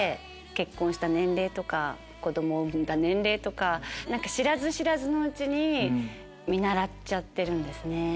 結婚した年齢とか子供を産んだ年齢とか知らず知らずのうちに見習っちゃってるんですね。